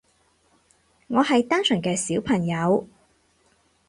我係單純嘅小朋友